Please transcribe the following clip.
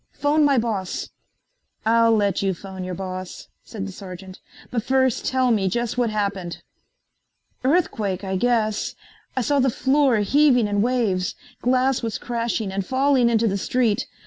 Phone my boss." "I'll let you phone your boss," said the sergeant, "but first tell me just what happened." "Earthquake, I guess. I saw the floor heaving in waves. Glass was crashing and falling into the street.